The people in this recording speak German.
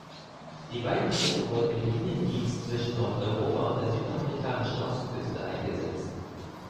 Die beiden Schiffe wurden im Liniendienst zwischen Nordeuropa und der südamerikanischen Ostküste eingesetzt.